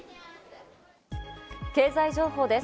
経済情報です。